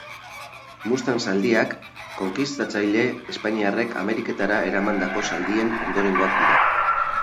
Mustang zaldiak Konkistatzaile espainiarrek Ameriketara eramandako zaldien ondorengoak dira.